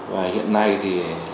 và hiện nay thì